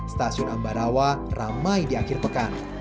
stasiun ambarawa ramai di akhir pekan